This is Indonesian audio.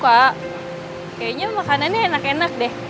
kayaknya makanannya enak enak deh